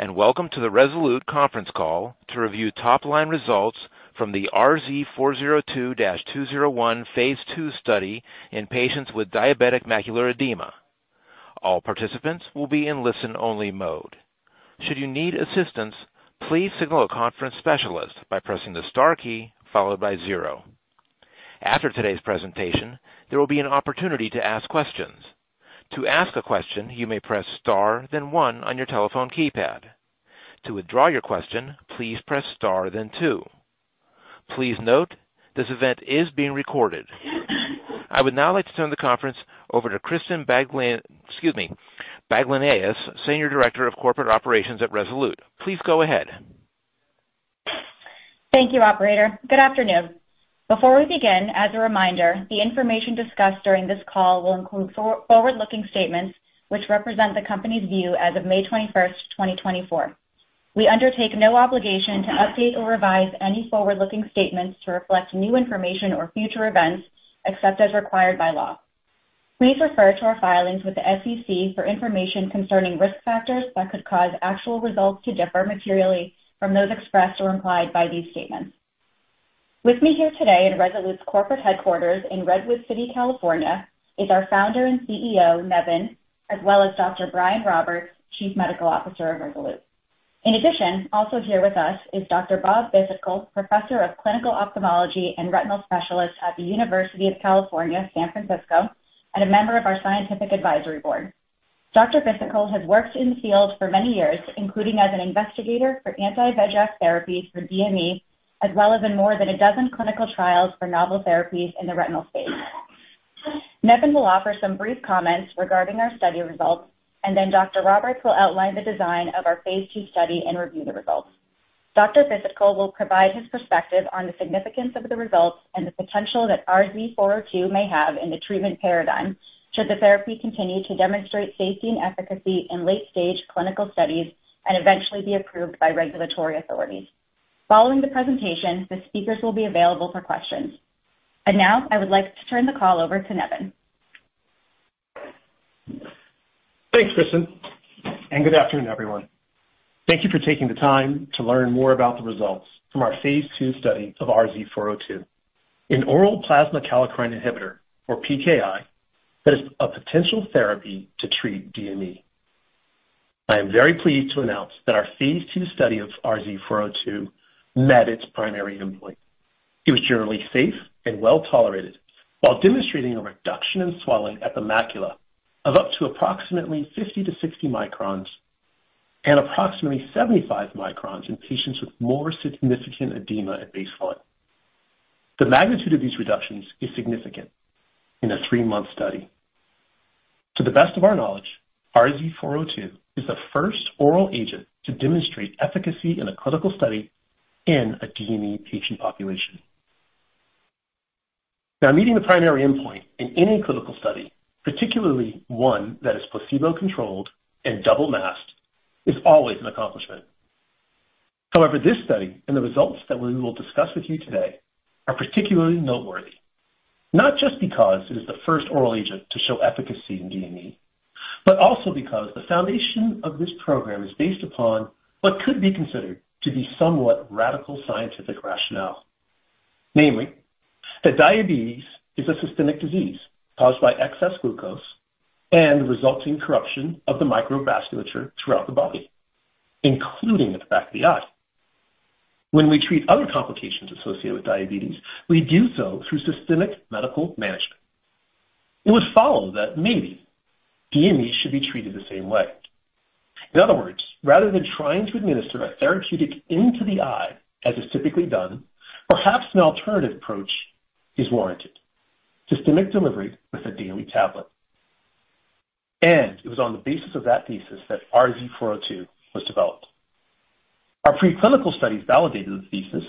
Hey, and welcome to the Rezolute Conference Call to review top-line results from the RZ402-201 phase II study in patients with diabetic macular edema. All participants will be in listen-only mode. Should you need assistance, please signal a conference specialist by pressing the star key followed by 0. After today's presentation, there will be an opportunity to ask questions. To ask a question, you may press star, then one on your telephone keypad. To withdraw your question, please press star, then two. Please note, this event is being recorded. I would now like to turn the conference over to Christen Baglaneas, Senior Director of Corporate Operations at Rezolute. Please go ahead. Thank you, operator. Good afternoon. Before we begin, as a reminder, the information discussed during this call will include forward-looking statements, which represent the company's view as of May 21st, 2024. We undertake no obligation to update or revise any forward-looking statements to reflect new information or future events, except as required by law. Please refer to our filings with the SEC for information concerning risk factors that could cause actual results to differ materially from those expressed or implied by these statements. With me here today at Rezolute's corporate headquarters in Redwood City, California, is our founder and CEO, Nevan, as well as Dr. Brian Roberts, Chief Medical Officer of Rezolute. In addition, also here with us is Dr. Bob Bhisitkul, Professor of Clinical Ophthalmology and Retinal Specialist at the University of California, San Francisco, and a member of our scientific advisory board. Dr. Bhisitkul has worked in the field for many years, including as an investigator for anti-VEGF therapies for DME, as well as in more than a dozen clinical trials for novel therapies in the retinal space. Nevan will offer some brief comments regarding our study results, and then Dr. Roberts will outline the design of our phase II study and review the results. Dr. Bhisitkul will provide his perspective on the significance of the results and the potential that RZ402 may have in the treatment paradigm, should the therapy continue to demonstrate safety and efficacy in late-stage clinical studies and eventually be approved by regulatory authorities. Following the presentation, the speakers will be available for questions. And now, I would like to turn the call over to Nevan. Thanks, Christen, and good afternoon, everyone. Thank you for taking the time to learn more about the results from our phase II study of RZ402, an oral plasma kallikrein inhibitor, or PKI, that is a potential therapy to treat DME. I am very pleased to announce that our phase II study of RZ402 met its primary endpoint. It was generally safe and well-tolerated, while demonstrating a reduction in swelling at the macula of up to approximately 50-60 microns, and approximately 75 microns in patients with more significant edema at baseline. The magnitude of these reductions is significant in a three-month study. To the best of our knowledge, RZ402 is the first oral agent to demonstrate efficacy in a clinical study in a DME patient population. Now, meeting the primary endpoint in any clinical study, particularly one that is placebo-controlled and double-masked, is always an accomplishment. However, this study and the results that we will discuss with you today are particularly noteworthy, not just because it is the first oral agent to show efficacy in DME, but also because the foundation of this program is based upon what could be considered to be somewhat radical scientific rationale. Namely, that diabetes is a systemic disease caused by excess glucose and the resulting corruption of the microvasculature throughout the body, including at the back of the eye. When we treat other complications associated with diabetes, we do so through systemic medical management. It would follow that maybe DME should be treated the same way. In other words, rather than trying to administer a therapeutic into the eye, as is typically done, perhaps an alternative approach is warranted. Systemic delivery with a DME tablet. It was on the basis of that thesis that RZ402 was developed. Our preclinical studies validated this thesis,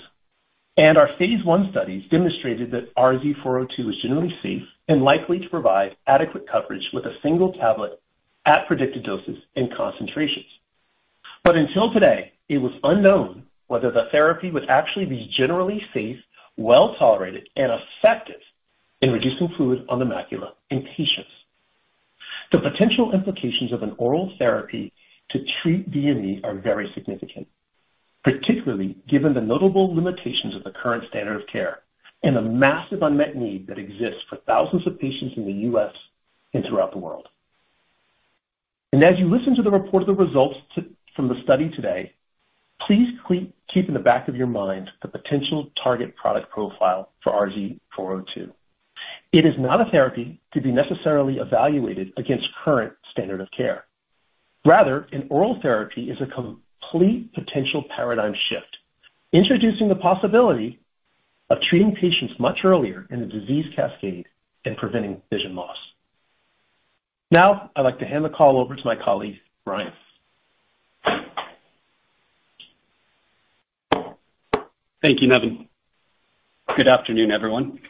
and our phase I studies demonstrated that RZ402 was generally safe and likely to provide adequate coverage with a single tablet at predicted doses and concentrations. But until today, it was unknown whether the therapy would actually be generally safe, well-tolerated, and effective in reducing fluid on the macula in patients. The potential implications of an oral therapy to treat DME are very significant, particularly given the notable limitations of the current standard of care and the massive unmet need that exists for thousands of patients in the U.S. and throughout the world. And as you listen to the report of the results from the study today, please keep in the back of your mind the potential target product profile for RZ402. It is not a therapy to be necessarily evaluated against current standard of care. Rather, an oral therapy is a complete potential paradigm shift, introducing the possibility of treating patients much earlier in the disease cascade and preventing vision loss. Now, I'd like to hand the call over to my colleague, Brian. Thank you, Nevan. Good afternoon, everyone.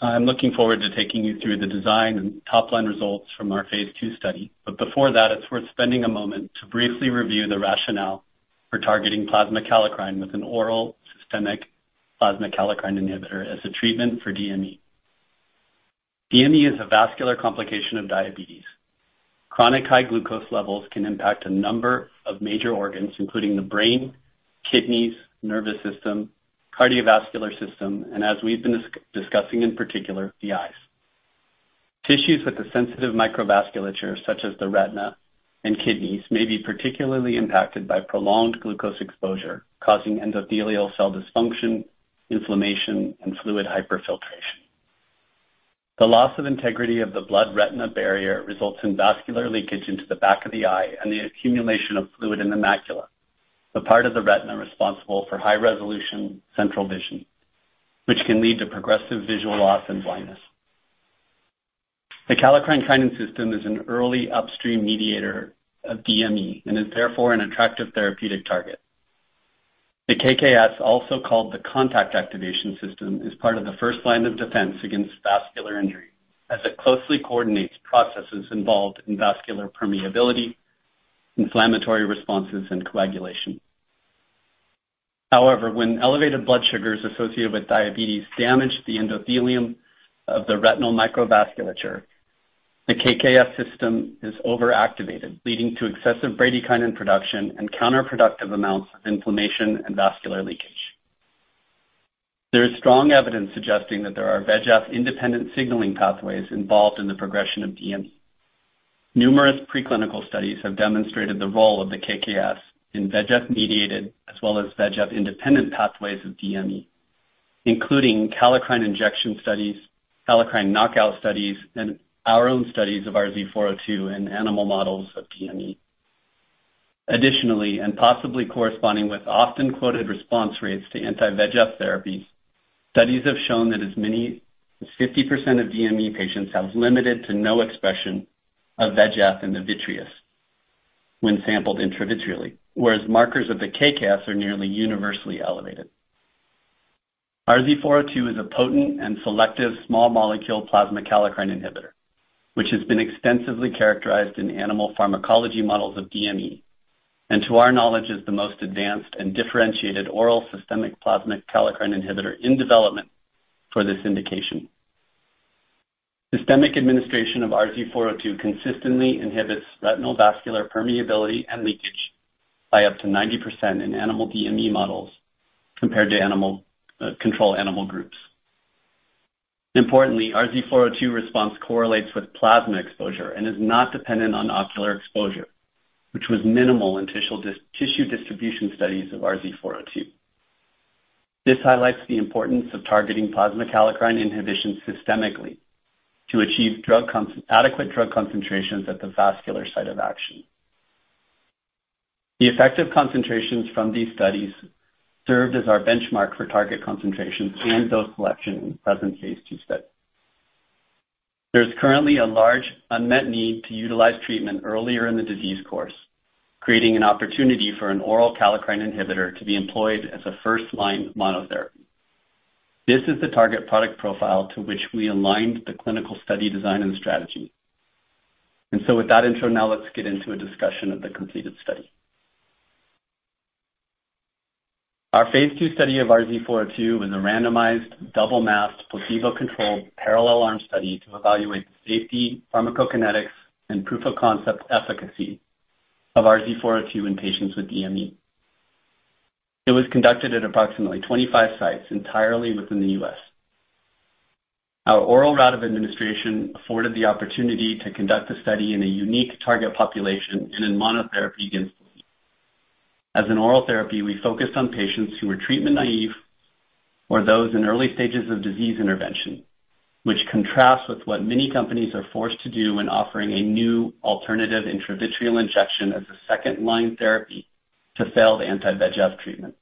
I'm looking forward to taking you through the design and top-line results from our phase II study. But before that, it's worth spending a moment to briefly review the rationale for targeting plasma kallikrein with an oral systemic plasma kallikrein inhibitor as a treatment for DME.... DME is a vascular complication of diabetes. Chronic high glucose levels can impact a number of major organs, including the brain, kidneys, nervous system, cardiovascular system, and as we've been discussing, in particular, the eyes. Tissues with a sensitive microvasculature, such as the retina and kidneys, may be particularly impacted by prolonged glucose exposure, causing endothelial cell dysfunction, inflammation, and fluid hyperfiltration. The loss of integrity of the blood-retina barrier results in vascular leakage into the back of the eye and the accumulation of fluid in the macula, the part of the retina responsible for high-resolution central vision, which can lead to progressive visual loss and blindness. The Kallikrein-Kinin System is an early upstream mediator of DME and is therefore an attractive therapeutic target. The KKS, also called the contact activation system, is part of the first line of defense against vascular injury, as it closely coordinates processes involved in vascular permeability, inflammatory responses, and coagulation. However, when elevated blood sugars associated with diabetes damage the endothelium of the retinal microvasculature, the KKS system is overactivated, leading to excessive bradykinin production and counterproductive amounts of inflammation and vascular leakage. There is strong evidence suggesting that there are VEGF-independent signaling pathways involved in the progression of DME. Numerous preclinical studies have demonstrated the role of the KKS in VEGF-mediated, as well as VEGF-independent pathways of DME, including kallikrein injection studies, kallikrein knockout studies, and our own studies of RZ402 in animal models of DME. Additionally, and possibly corresponding with often quoted response rates to anti-VEGF therapies, studies have shown that as many as 50% of DME patients have limited to no expression of VEGF in the vitreous when sampled intravitreally, whereas markers of the KKS are nearly universally elevated. RZ402 is a potent and selective small molecule plasma kallikrein inhibitor, which has been extensively characterized in animal pharmacology models of DME, and to our knowledge, is the most advanced and differentiated oral systemic plasma kallikrein inhibitor in development for this indication. Systemic administration of RZ402 consistently inhibits retinal vascular permeability and leakage by up to 90% in animal DME models compared to animal control animal groups. Importantly, RZ402 response correlates with plasma exposure and is not dependent on ocular exposure, which was minimal in tissue distribution studies of RZ402. This highlights the importance of targeting plasma kallikrein inhibition systemically to achieve adequate drug concentrations at the vascular site of action. The effective concentrations from these studies served as our benchmark for target concentrations and dose selection in present phase II study. There is currently a large unmet need to utilize treatment earlier in the disease course, creating an opportunity for an oral kallikrein inhibitor to be employed as a first-line monotherapy. This is the target product profile to which we aligned the clinical study design and strategy. And so with that intro, now let's get into a discussion of the completed study. Our phase II study of RZ402 was a randomized, double-masked, placebo-controlled parallel arm study to evaluate safety, pharmacokinetics, and proof of concept efficacy of RZ402 in patients with DME. It was conducted at approximately 25 sites entirely within the U.S. Our oral route of administration afforded the opportunity to conduct the study in a unique target population and in monotherapy against DME. As an oral therapy, we focused on patients who were treatment naive or those in early stages of disease intervention, which contrasts with what many companies are forced to do when offering a new alternative intravitreal injection as a second-line therapy to failed anti-VEGF treatment.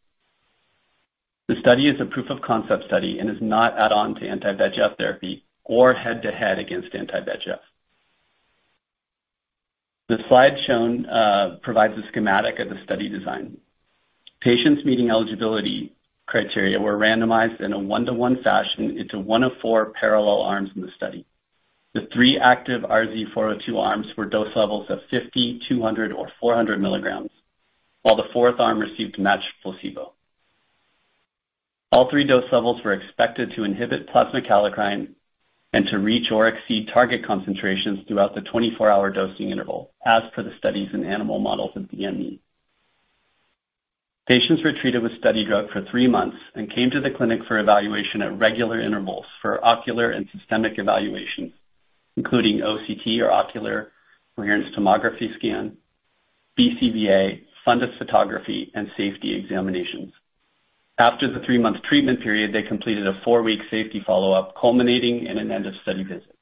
The study is a proof of concept study and is not add-on to anti-VEGF therapy or head-to-head against anti-VEGF. The slide shown provides a schematic of the study design. Patients meeting eligibility criteria were randomized in a 1:1 fashion into one of four parallel arms in the study. The three active RZ402 arms were dose levels of 50, 200, or 400 milligrams, while the fourth arm received matched placebo. All three dose levels were expected to inhibit plasma kallikrein and to reach or exceed target concentrations throughout the 24-hour dosing interval, as per the studies in animal models of DME. Patients were treated with study drug for 3 months and came to the clinic for evaluation at regular intervals for ocular and systemic evaluations, including OCT, or optical coherence tomography scan, BCVA, fundus photography, and safety examinations. After the 3-month treatment period, they completed a 4-week safety follow-up, culminating in an end-of-study visit.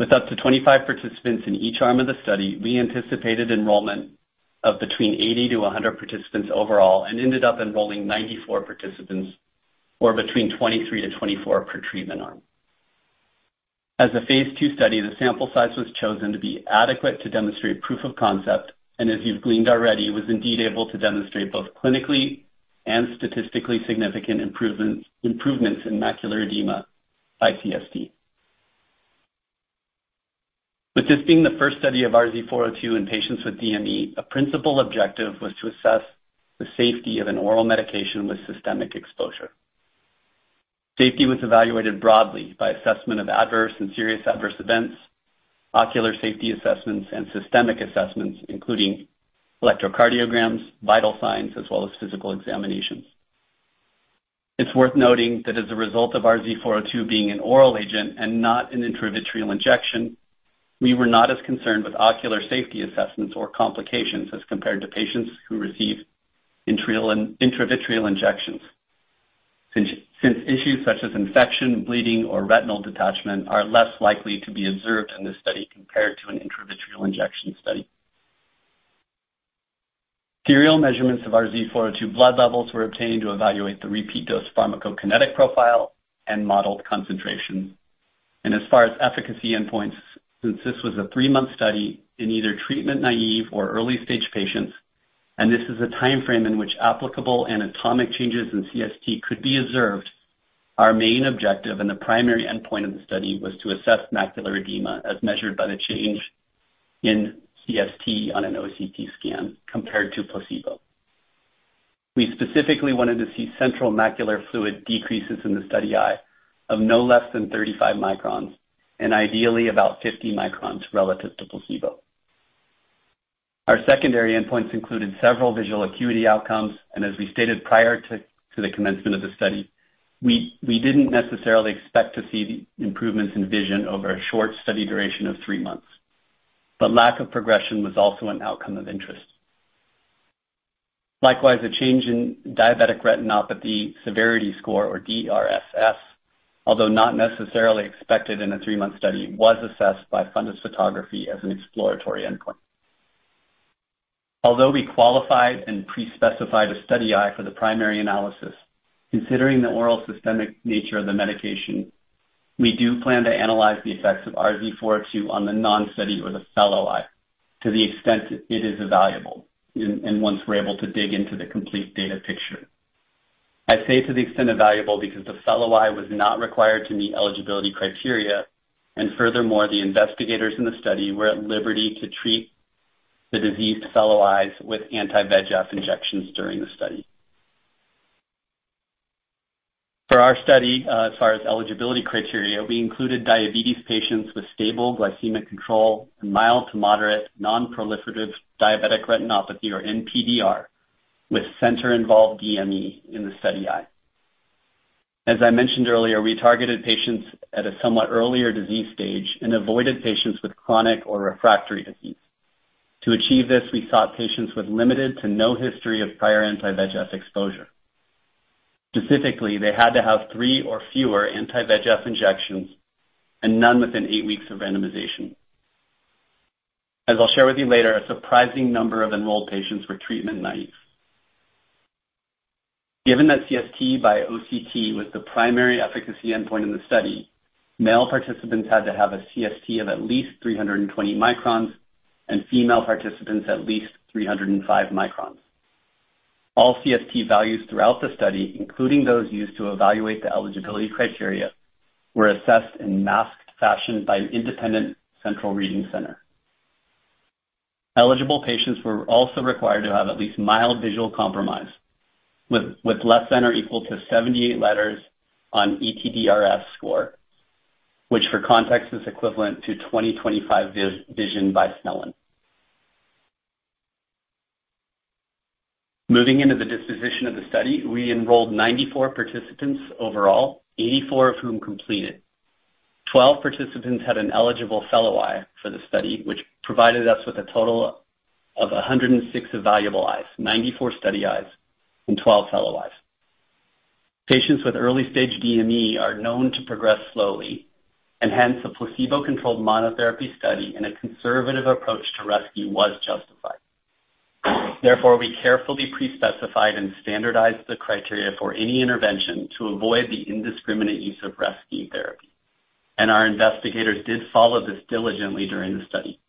With up to 25 participants in each arm of the study, we anticipated enrollment of between 80-100 participants overall and ended up enrolling 94 participants, or between 23-24 per treatment arm. As a phase II study, the sample size was chosen to be adequate to demonstrate proof of concept, and as you've gleaned already, was indeed able to demonstrate both clinically and statistically significant improvements, improvements in macular edema by CST.... With this being the first study of RZ402 in patients with DME, a principal objective was to assess the safety of an oral medication with systemic exposure. Safety was evaluated broadly by assessment of adverse and serious adverse events, ocular safety assessments, and systemic assessments, including electrocardiograms, vital signs, as well as physical examinations. It's worth noting that as a result of RZ402 being an oral agent and not an intravitreal injection, we were not as concerned with ocular safety assessments or complications as compared to patients who received intravitreal injections. Since issues such as infection, bleeding, or retinal detachment are less likely to be observed in this study compared to an intravitreal injection study. Serial measurements of RZ402 blood levels were obtained to evaluate the repeat dose pharmacokinetic profile and modeled concentrations. As far as efficacy endpoints, since this was a three-month study in either treatment-naive or early-stage patients, and this is a timeframe in which applicable anatomic changes in CST could be observed, our main objective and the primary endpoint of the study was to assess macular edema, as measured by the change in CST on an OCT scan compared to placebo. We specifically wanted to see central macular fluid decreases in the study eye of no less than 35 microns, and ideally about 50 microns relative to placebo. Our secondary endpoints included several visual acuity outcomes, and as we stated prior to the commencement of the study, we didn't necessarily expect to see improvements in vision over a short study duration of 3 months, but lack of progression was also an outcome of interest. Likewise, a change in diabetic retinopathy severity score, or DRSS, although not necessarily expected in a 3-month study, was assessed by fundus photography as an exploratory endpoint. Although we qualified and pre-specified a study eye for the primary analysis, considering the oral systemic nature of the medication, we do plan to analyze the effects of RZ402 on the non-study or the fellow eye to the extent it is evaluable and once we're able to dig into the complete data picture. I say to the extent evaluable, because the fellow eye was not required to meet eligibility criteria, and furthermore, the investigators in the study were at liberty to treat the diseased fellow eyes with anti-VEGF injections during the study. For our study, as far as eligibility criteria, we included diabetes patients with stable glycemic control and mild to moderate non-proliferative diabetic retinopathy, or NPDR, with center-involved DME in the study eye. As I mentioned earlier, we targeted patients at a somewhat earlier disease stage and avoided patients with chronic or refractory disease. To achieve this, we sought patients with limited to no history of prior anti-VEGF exposure. Specifically, they had to have 3 or fewer anti-VEGF injections and none within 8 weeks of randomization. As I'll share with you later, a surprising number of enrolled patients were treatment-naive. Given that CST by OCT was the primary efficacy endpoint in the study, male participants had to have a CST of at least 320 microns, and female participants at least 305 microns. All CST values throughout the study, including those used to evaluate the eligibility criteria, were assessed in masked fashion by an independent central reading center. Eligible patients were also required to have at least mild visual compromise, with less than or equal to 78 letters on ETDRS score, which, for context, is equivalent to 20/25 vision by Snellen. Moving into the disposition of the study, we enrolled 94 participants overall, 84 of whom completed. Twelve participants had an eligible fellow eye for the study, which provided us with a total of 106 evaluable eyes, 94 study eyes and 12 fellow eyes. Patients with early-stage DME are known to progress slowly and hence a placebo-controlled monotherapy study and a conservative approach to rescue was justified. Therefore, we carefully pre-specified and standardized the criteria for any intervention to avoid the indiscriminate use of rescue therapy, and our investigators did follow this diligently during the study.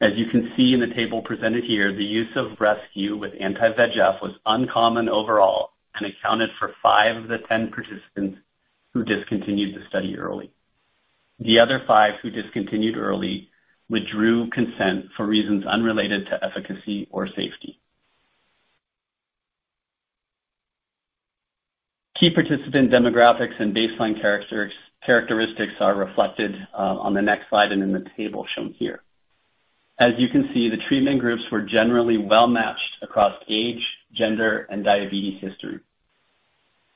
As you can see in the table presented here, the use of rescue with anti-VEGF was uncommon overall and accounted for five of the 10 participants who discontinued the study early. The other five who discontinued early withdrew consent for reasons unrelated to efficacy or safety. Key participant demographics and baseline characteristics are reflected on the next slide and in the table shown here. As you can see, the treatment groups were generally well-matched across age, gender, and diabetes history.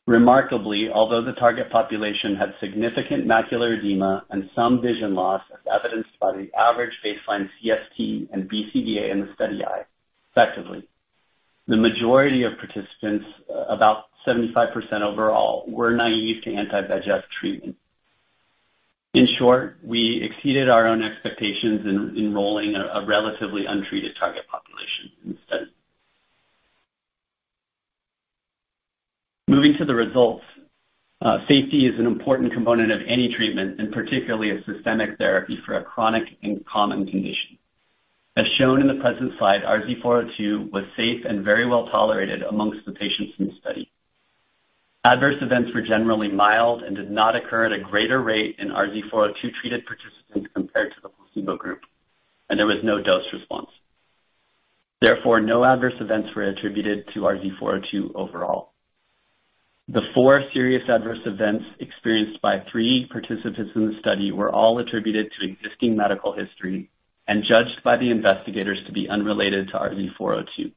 Remarkably, although the target population had significant macular edema and some vision loss, as evidenced by the average baseline CST and BCVA in the study eye, effectively, the majority of participants, about 75% overall, were naive to anti-VEGF treatment. In short, we exceeded our own expectations in enrolling a relatively untreated target population in the study. Moving to the results. Safety is an important component of any treatment, and particularly a systemic therapy for a chronic and common condition. As shown in the present slide, RZ402 was safe and very well tolerated among the patients in the study.... Adverse events were generally mild and did not occur at a greater rate in RZ402-treated participants compared to the placebo group, and there was no dose response. Therefore, no adverse events were attributed to RZ402 overall. The four serious adverse events experienced by three participants in the study were all attributed to existing medical history and judged by the investigators to be unrelated to RZ402.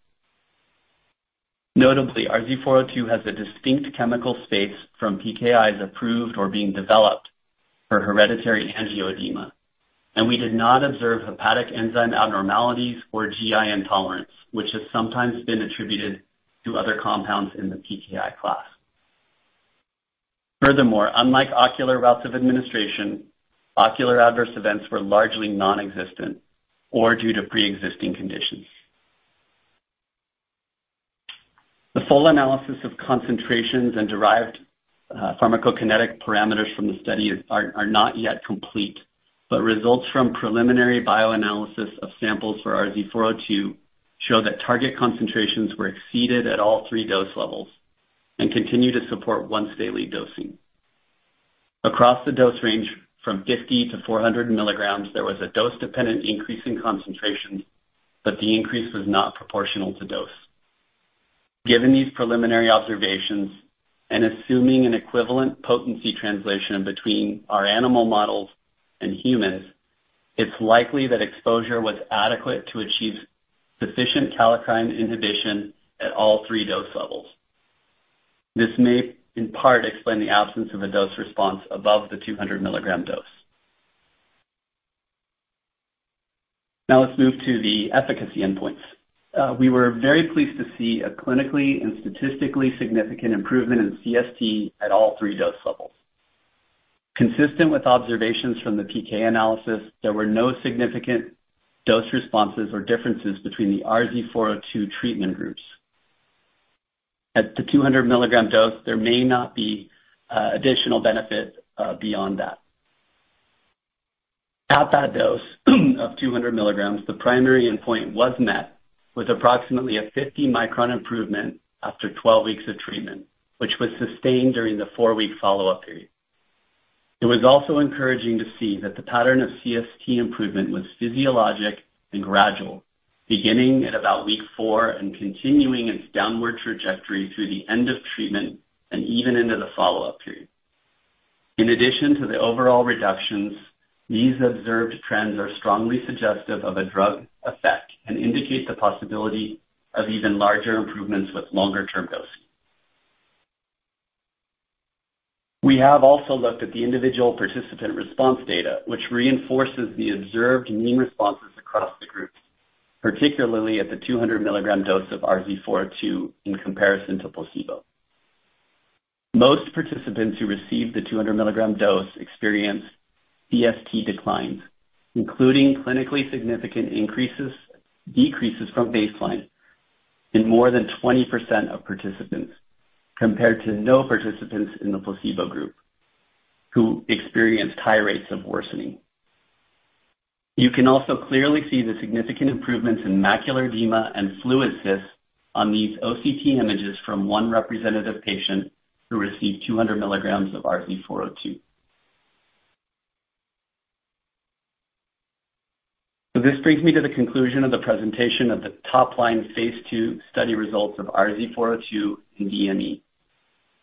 Notably, RZ402 has a distinct chemical space from PKIs approved or being developed for hereditary angioedema, and we did not observe hepatic enzyme abnormalities or GI intolerance, which has sometimes been attributed to other compounds in the PKI class. Furthermore, unlike ocular routes of administration, ocular adverse events were largely non-existent or due to preexisting conditions. The full analysis of concentrations and derived pharmacokinetic parameters from the study are not yet complete, but results from preliminary bioanalysis of samples for RZ402 show that target concentrations were exceeded at all three dose levels and continue to support once-daily dosing. Across the dose range from 50 mg to 400 mg, there was a dose-dependent increase in concentrations, but the increase was not proportional to dose. Given these preliminary observations, and assuming an equivalent potency translation between our animal models and humans, it's likely that exposure was adequate to achieve sufficient kallikrein inhibition at all three dose levels. This may, in part, explain the absence of a dose response above the 200 mg dose. Now let's move to the efficacy endpoints. We were very pleased to see a clinically and statistically significant improvement in CST at all three dose levels. Consistent with observations from the PK analysis, there were no significant dose responses or differences between the RZ402 treatment groups. At the 200 milligram dose, there may not be additional benefit beyond that. At that dose of 200 milligrams, the primary endpoint was met with approximately a 50-micron improvement after 12 weeks of treatment, which was sustained during the 4-week follow-up period. It was also encouraging to see that the pattern of CST improvement was physiologic and gradual, beginning at about week 4 and continuing its downward trajectory through the end of treatment and even into the follow-up period. In addition to the overall reductions, these observed trends are strongly suggestive of a drug effect and indicate the possibility of even larger improvements with longer-term dosing. We have also looked at the individual participant response data, which reinforces the observed mean responses across the groups, particularly at the 200 milligram dose of RZ402 in comparison to placebo. Most participants who received the 200 milligram dose experienced CST declines, including clinically significant increases, decreases from baseline in more than 20% of participants, compared to no participants in the placebo group, who experienced high rates of worsening. You can also clearly see the significant improvements in macular edema and fluid cysts on these OCT images from one representative patient who received 200 milligrams of RZ402. This brings me to the conclusion of the presentation of the top-line phase II study results of RZ402 in DME.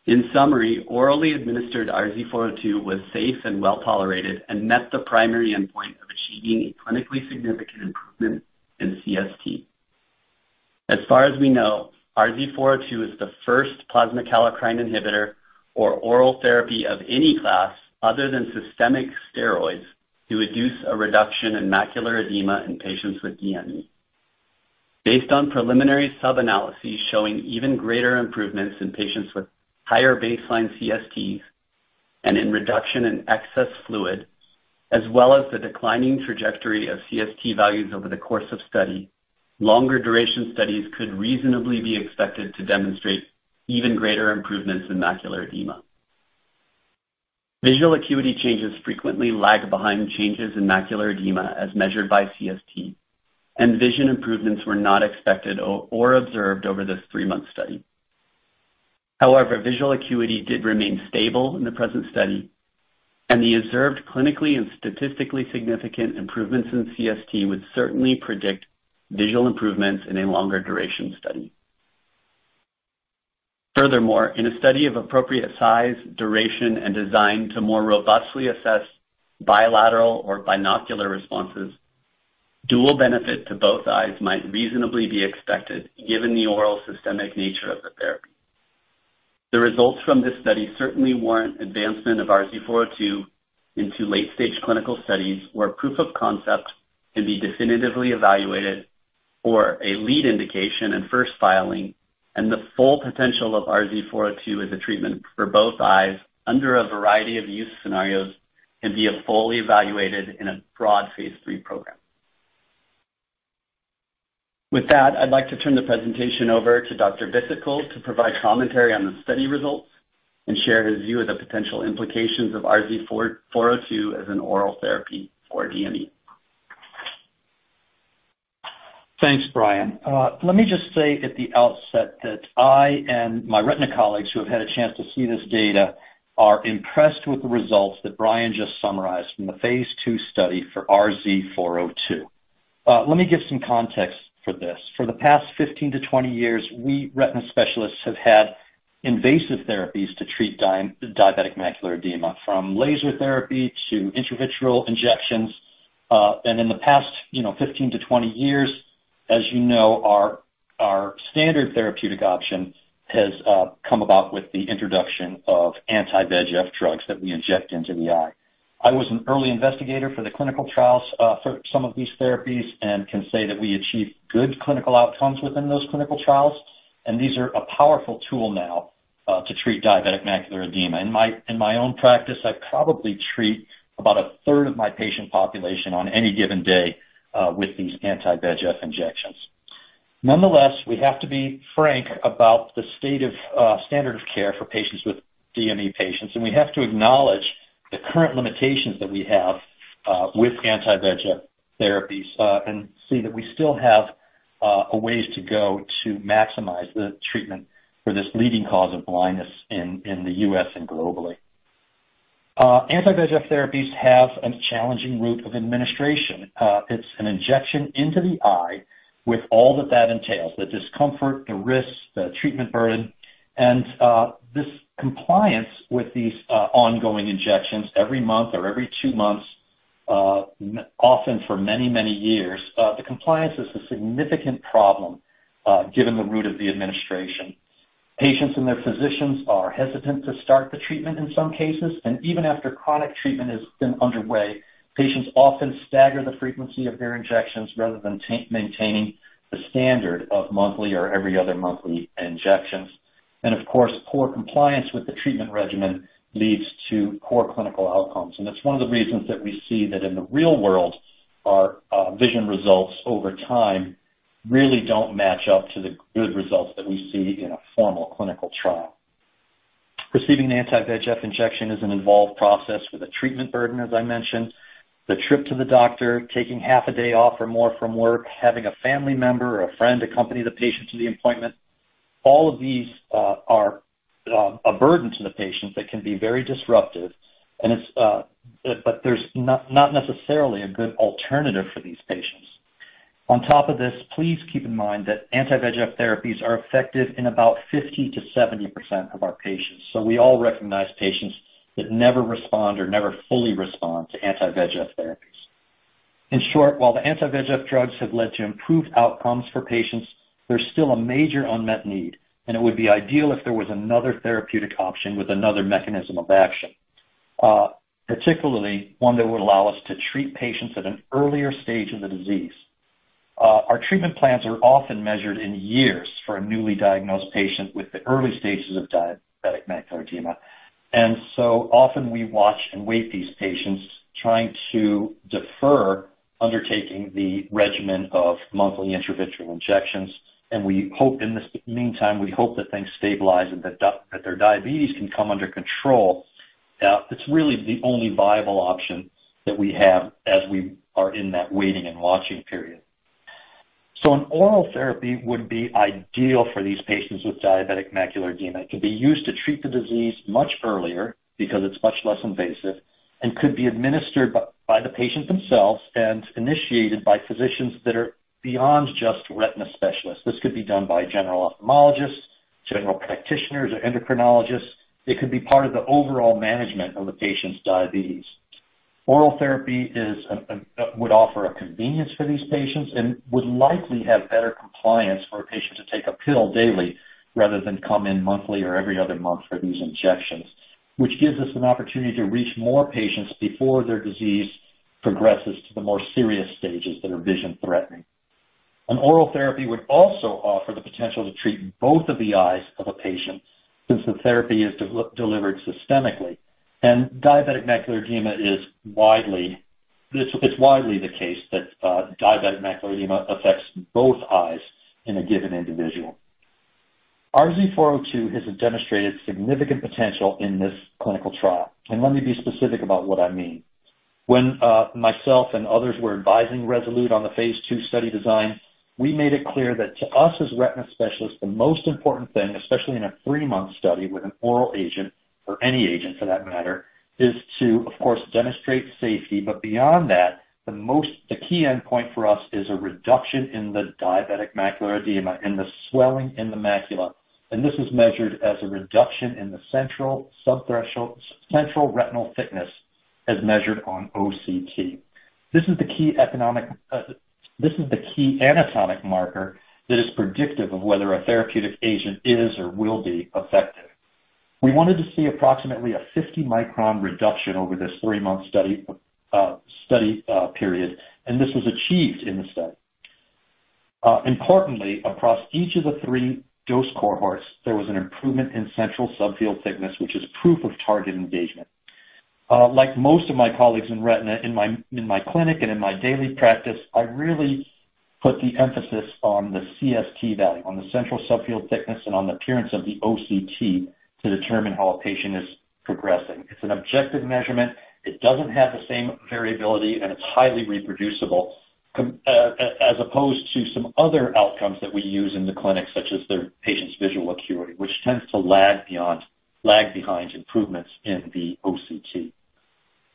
In summary, orally administered RZ402 was safe and well-tolerated and met the primary endpoint of achieving a clinically significant improvement in CST. As far as we know, RZ402 is the first plasma kallikrein inhibitor or oral therapy of any class, other than systemic steroids, to induce a reduction in macular edema in patients with DME. Based on preliminary sub-analysis showing even greater improvements in patients with higher baseline CSTs and in reduction in excess fluid, as well as the declining trajectory of CST values over the course of study, longer duration studies could reasonably be expected to demonstrate even greater improvements in macular edema. Visual acuity changes frequently lag behind changes in macular edema as measured by CST, and vision improvements were not expected or observed over this three-month study. However, visual acuity did remain stable in the present study, and the observed clinically and statistically significant improvements in CST would certainly predict visual improvements in a longer duration study. Furthermore, in a study of appropriate size, duration, and design to more robustly assess bilateral or binocular responses, dual benefit to both eyes might reasonably be expected, given the oral systemic nature of the therapy. The results from this study certainly warrant advancement of RZ402 into late-stage clinical studies, where proof of concept can be definitively evaluated for a lead indication and first filing, and the full potential of RZ402 as a treatment for both eyes under a variety of use scenarios can be fully evaluated in a broad phase III program. With that, I'd like to turn the presentation over to Dr. Bhisitkul to provide commentary on the study results and share his view of the potential implications of RZ402 as an oral therapy for DME. Thanks, Brian. Let me just say at the outset that I and my retina colleagues who have had a chance to see this data are impressed with the results that Brian just summarized from the phase II study for RZ402. Let me give some context for this. For the past 15-20 years, we, retina specialists, have had invasive therapies to treat diabetic macular edema, from laser therapy to intravitreal injections. And in the past, you know, 15-20 years, as you know, our standard therapeutic option has come about with the introduction of anti-VEGF drugs that we inject into the eye. I was an early investigator for the clinical trials for some of these therapies and can say that we achieved good clinical outcomes within those clinical trials, and these are a powerful tool now to treat diabetic macular edema. In my own practice, I probably treat about a third of my patient population on any given day with these anti-VEGF injections. Nonetheless, we have to be frank about the state of standard of care for patients with DME, and we have to acknowledge the current limitations that we have with anti-VEGF therapies, and see that we still have a ways to go to maximize the treatment for this leading cause of blindness in the U.S. and globally. Anti-VEGF therapies have a challenging route of administration. It's an injection into the eye with all that that entails: the discomfort, the risks, the treatment burden, and this compliance with these ongoing injections every month or every 2 months, often for many, many years. The compliance is a significant problem, given the route of the administration. Patients and their physicians are hesitant to start the treatment in some cases, and even after chronic treatment has been underway, patients often stagger the frequency of their injections rather than maintaining the standard of monthly or every other monthly injections. And of course, poor compliance with the treatment regimen leads to poor clinical outcomes. And that's one of the reasons that we see that in the real world, our vision results over time really don't match up to the good results that we see in a formal clinical trial. Receiving an anti-VEGF injection is an involved process with a treatment burden, as I mentioned. The trip to the doctor, taking half a day off or more from work, having a family member or a friend accompany the patient to the appointment. All of these are a burden to the patients that can be very disruptive, and it's, but there's not necessarily a good alternative for these patients. On top of this, please keep in mind that anti-VEGF therapies are effective in about 50%-70% of our patients, so we all recognize patients that never respond or never fully respond to anti-VEGF therapies. In short, while the anti-VEGF drugs have led to improved outcomes for patients, there's still a major unmet need, and it would be ideal if there was another therapeutic option with another mechanism of action. Particularly, one that would allow us to treat patients at an earlier stage of the disease. Our treatment plans are often measured in years for a newly diagnosed patient with the early stages of diabetic macular edema, and so often we watch and wait these patients, trying to defer undertaking the regimen of monthly intravitreal injections, and we hope in this meantime, we hope that things stabilize and that their diabetes can come under control. It's really the only viable option that we have as we are in that waiting and watching period. So an oral therapy would be ideal for these patients with diabetic macular edema. It could be used to treat the disease much earlier because it's much less invasive and could be administered by the patient themselves and initiated by physicians that are beyond just retina specialists. This could be done by general ophthalmologists, general practitioners, or endocrinologists. It could be part of the overall management of the patient's diabetes. Oral therapy would offer a convenience for these patients and would likely have better compliance for a patient to take a pill daily, rather than come in monthly or every other month for these injections, which gives us an opportunity to reach more patients before their disease progresses to the more serious stages that are vision-threatening. An oral therapy would also offer the potential to treat both of the eyes of a patient, since the therapy is delivered systemically, and It's widely the case that diabetic macular edema affects both eyes in a given individual. RZ402 has demonstrated significant potential in this clinical trial, and let me be specific about what I mean. When myself and others were advising Rezolute on the phase II study design, we made it clear that to us, as retina specialists, the most important thing, especially in a three-month study with an oral agent or any agent for that matter, is to, of course, demonstrate safety. But beyond that, the key endpoint for us is a reduction in the diabetic macular edema and the swelling in the macula, and this is measured as a reduction in the central subfield thickness, as measured on OCT. This is the key economic, this is the key anatomic marker that is predictive of whether a therapeutic agent is or will be effective. We wanted to see approximately a 50-micron reduction over this three-month study period, and this was achieved in the study. Importantly, across each of the three dose cohorts, there was an improvement in central subfield thickness, which is proof of target engagement. Like most of my colleagues in retina, in my clinic and in my daily practice, I really put the emphasis on the CST value, on the central subfield thickness and on the appearance of the OCT to determine how a patient is progressing. It's an objective measurement. It doesn't have the same variability, and it's highly reproducible, as opposed to some other outcomes that we use in the clinic, such as the patient's visual acuity, which tends to lag behind improvements in the OCT.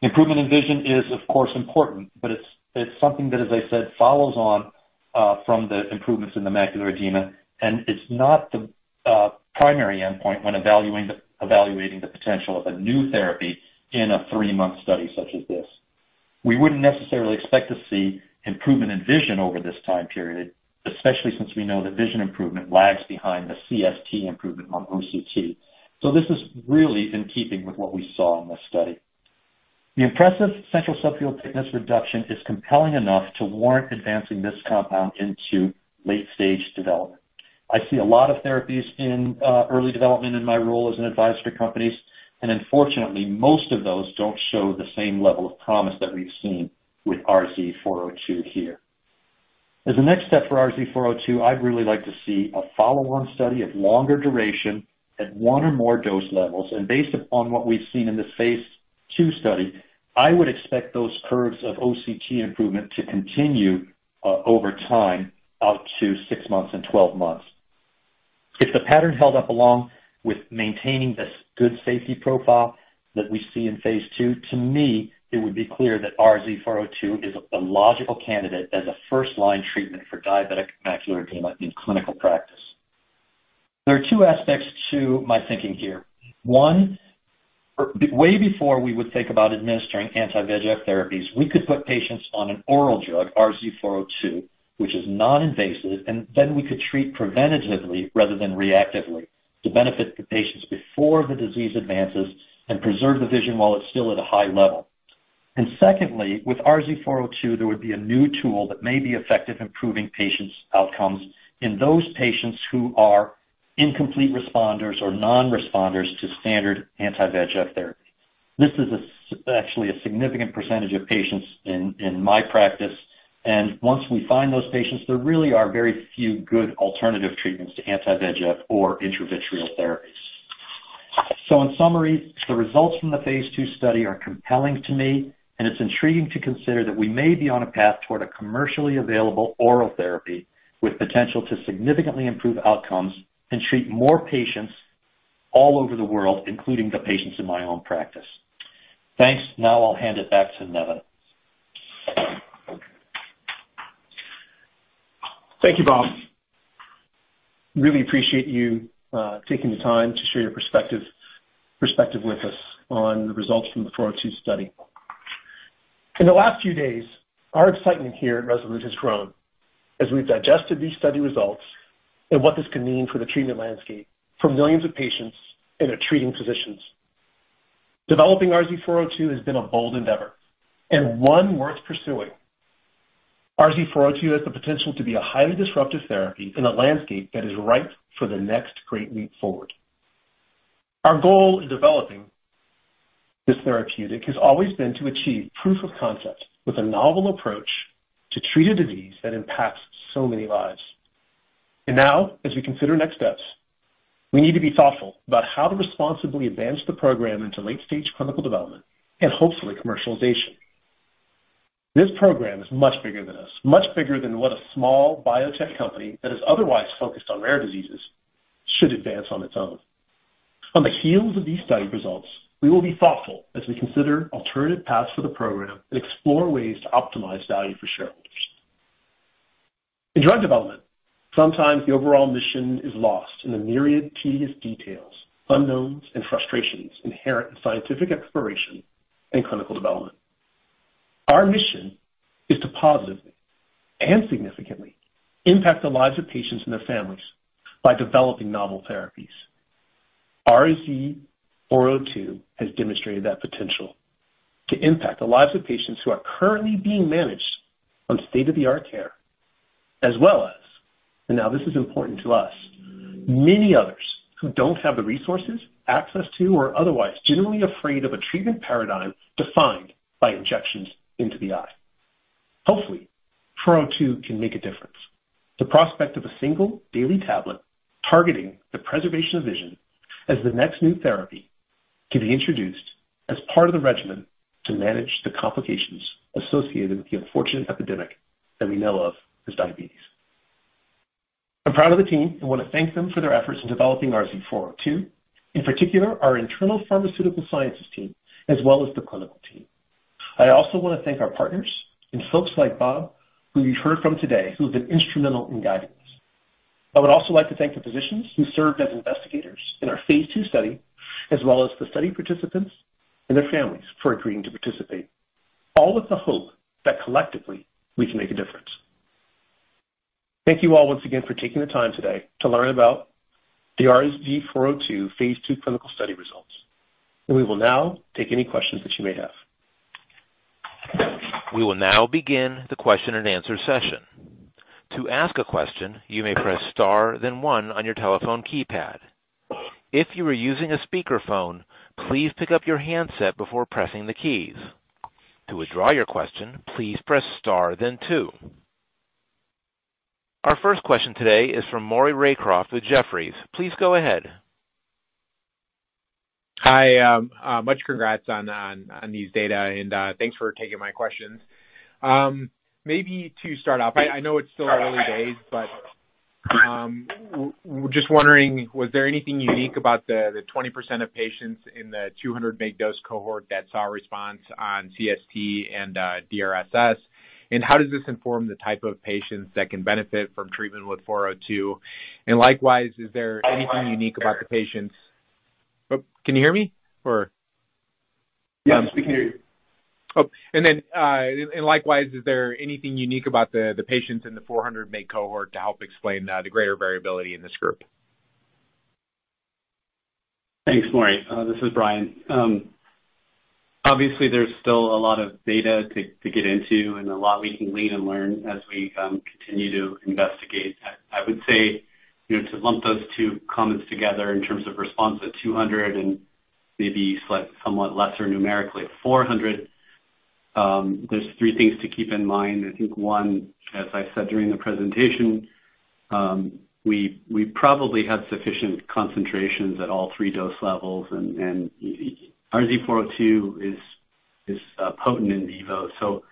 Improvement in vision is, of course, important, but it's something that, as I said, follows on from the improvements in the macular edema, and it's not the primary endpoint when evaluating the potential of a new therapy in a three-month study such as this. We wouldn't necessarily expect to see improvement in vision over this time period, especially since we know that vision improvement lags behind the CST improvement on OCT. So this is really in keeping with what we saw in this study. The impressive central subfield thickness reduction is compelling enough to warrant advancing this compound into late-stage development. I see a lot of therapies in early development in my role as an advisor to companies, and unfortunately, most of those don't show the same level of promise that we've seen with RZ402 here. As a next step for RZ402, I'd really like to see a follow-on study of longer duration at one or more dose levels, and based upon what we've seen in the phase II study, I would expect those curves of OCT improvement to continue over time, up to 6 months and 12 months. If the pattern held up along with maintaining this good safety profile that we see in phase II, to me, it would be clear that RZ402 is a logical candidate as a first-line treatment for diabetic macular edema in clinical practice. There are two aspects to my thinking here. One, way before we would think about administering anti-VEGF therapies, we could put patients on an oral drug, RZ402, which is non-invasive, and then we could treat preventatively rather than reactively to benefit the patients before the disease advances and preserve the vision while it's still at a high level. And secondly, with RZ402, there would be a new tool that may be effective improving patients' outcomes in those patients who are incomplete responders or non-responders to standard anti-VEGF therapy. This is actually a significant percentage of patients in my practice, and once we find those patients, there really are very few good alternative treatments to anti-VEGF or intravitreal therapies. In summary, the results from the phase II study are compelling to me, and it's intriguing to consider that we may be on a path toward a commercially available oral therapy with potential to significantly improve outcomes and treat more patients all over the world, including the patients in my own practice. Thanks. Now I'll hand it back to Nevan. Thank you, Bob. Really appreciate you taking the time to share your perspective, perspective with us on the results from the 402 study. In the last few days, our excitement here at Rezolute has grown as we've digested these study results and what this could mean for the treatment landscape for millions of patients and their treating physicians. Developing RZ402 has been a bold endeavor and one worth pursuing. RZ402 has the potential to be a highly disruptive therapy in a landscape that is ripe for the next great leap forward. Our goal in developing this therapeutic has always been to achieve proof of concept with a novel approach to treat a disease that impacts so many lives. And now, as we consider next steps, we need to be thoughtful about how to responsibly advance the program into late-stage clinical development and hopefully commercialization. This program is much bigger than us, much bigger than what a small biotech company that is otherwise focused on rare diseases should advance on its own. On the heels of these study results, we will be thoughtful as we consider alternative paths for the program and explore ways to optimize value for shareholders. In drug development, sometimes the overall mission is lost in the myriad tedious details, unknowns, and frustrations inherent in scientific exploration and clinical development. Our mission is to positively and significantly impact the lives of patients and their families by developing novel therapies. RZ402 has demonstrated that potential to impact the lives of patients who are currently being managed on state-of-the-art care, as well as, and now this is important to us, many others who don't have the resources, access to, or otherwise generally afraid of a treatment paradigm defined by injections into the eye. Hopefully, 402 can make a difference. The prospect of a single daily tablet targeting the preservation of vision as the next new therapy to be introduced as part of the regimen to manage the complications associated with the unfortunate epidemic that we know of as diabetes. I'm proud of the team and want to thank them for their efforts in developing RZ402, in particular, our internal pharmaceutical sciences team, as well as the clinical team. I also want to thank our partners and folks like Bob, who you heard from today, who have been instrumental in guiding us. I would also like to thank the physicians who served as investigators in our Phase II study, as well as the study participants and their families for agreeing to participate, all with the hope that collectively, we can make a difference. Thank you all once again for taking the time today to learn about the RZ402 phase II clinical study results. We will now take any questions that you may have. We will now begin the question and answer session. To ask a question, you may press star, then one on your telephone keypad. If you are using a speakerphone, please pick up your handset before pressing the keys. To withdraw your question, please press star, then two. Our first question today is from Maury Raycroft with Jefferies. Please go ahead. Hi, much congrats on these data, and thanks for taking my questions. Maybe to start off, I know it's still early days, but just wondering, was there anything unique about the 20% of patients in the 200 mg dose cohort that saw a response on CST and DRSS? And how does this inform the type of patients that can benefit from treatment with 402? And likewise, is there anything unique about the patients-- Oh, can you hear me or? Yeah, we can hear you. Oh, and then, and likewise, is there anything unique about the patients in the 400 mg cohort to help explain the greater variability in this group? Thanks, Maury. This is Brian. Obviously there's still a lot of data to get into and a lot we can read and learn as we continue to investigate. I would say, you know, to lump those two comments together in terms of response at 200 and maybe slight, somewhat lesser numerically at 400, there's three things to keep in mind. I think, one, as I said during the presentation, we probably had sufficient concentrations at all three dose levels, and RZ402 is potent in vivo, so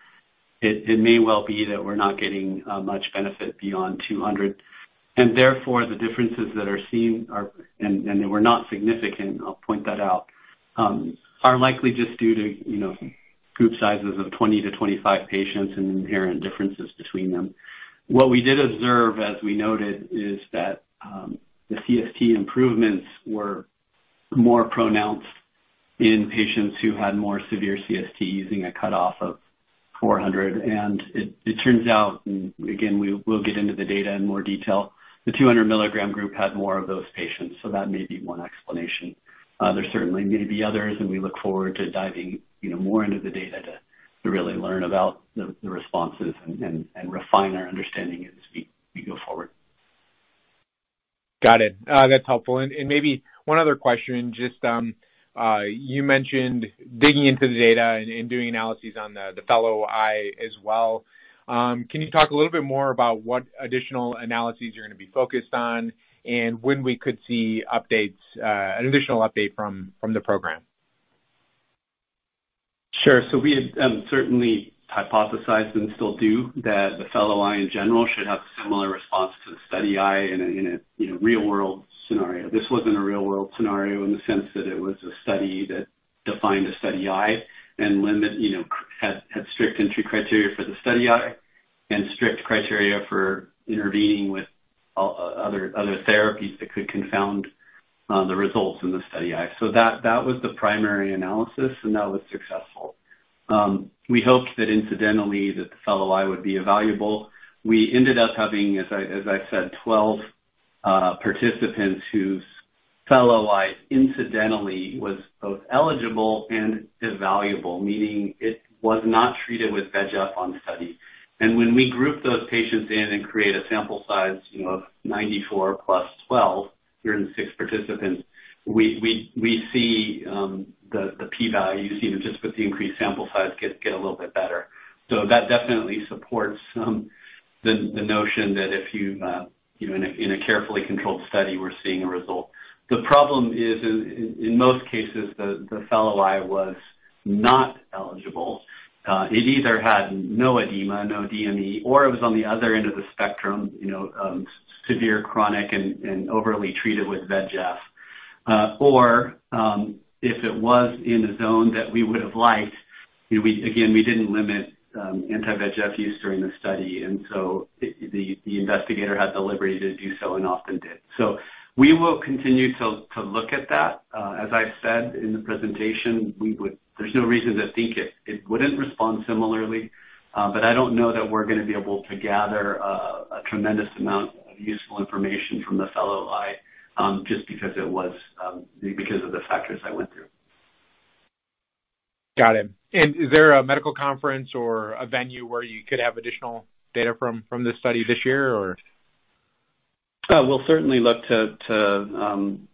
it may well be that we're not getting much benefit beyond 200, and therefore, the differences that are seen are... And they were not significant, I'll point that out, are likely just due to, you know, group sizes of 20-25 patients and inherent differences between them. What we did observe, as we noted, is that, the CST improvements were more pronounced in patients who had more severe CST, using a cutoff of 400. And it turns out, and again, we will get into the data in more detail, the 200 milligram group had more of those patients, so that may be one explanation. There certainly may be others, and we look forward to diving, you know, more into the data to really learn about the responses and refine our understanding as we go forward. Got it. That's helpful. And maybe one other question, just, you mentioned digging into the data and doing analyses on the fellow eye as well. Can you talk a little bit more about what additional analyses you're gonna be focused on, and when we could see updates, an additional update from the program? Sure. So we had certainly hypothesized, and still do, that the fellow eye, in general, should have similar response to the study eye in a you know real world scenario. This wasn't a real world scenario in the sense that it was a study that defined a study eye and limited you know had strict entry criteria for the study eye and strict criteria for intervening with other therapies that could confound the results in the study eye. So that was the primary analysis, and that was successful. We hoped that, incidentally, the fellow eye would be evaluable. We ended up having, as I said, 12 participants whose fellow eye, incidentally, was both eligible and evaluable, meaning it was not treated with VEGF on study. When we group those patients in and create a sample size, you know, of 94 + 12, here in 6 participants, we see the P values, even just with the increased sample size, get a little bit better. So that definitely supports the notion that if you, you know, in a carefully controlled study, we're seeing a result. The problem is in most cases, the fellow eye was not eligible. It either had no edema, no DME, or it was on the other end of the spectrum, you know, severe chronic and overly treated with VEGF. If it was in a zone that we would have liked, you know, we, again, we didn't limit anti-VEGF use during the study, and so the investigator had the liberty to do so and often did. So we will continue to look at that. As I said in the presentation, we would. There's no reason to think it wouldn't respond similarly, but I don't know that we're gonna be able to gather a tremendous amount of useful information from the fellow eye, just because it was because of the factors I went through. Got it. Is there a medical conference or a venue where you could have additional data from this study this year, or? We'll certainly look to